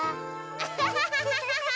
アハハハ